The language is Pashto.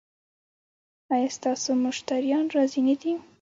ایا ستاسو مشتریان راضي نه دي؟